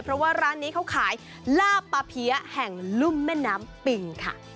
เพราะว่าร้านนี้เขาขายลาบปลาเพี้ยแห่งลุ่มแม่น้ำปิงค่ะ